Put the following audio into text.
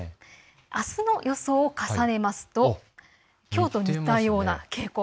あすの予想を重ねますときょうと似たような傾向。